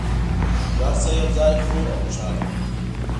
موږ هر څه یو ځای خورو او خوشحاله یو